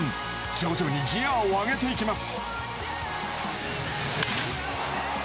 徐々にギヤを上げていきます。